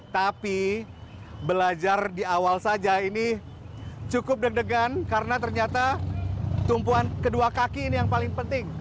tapi belajar di awal saja ini cukup deg degan karena ternyata tumpuan kedua kaki ini yang paling penting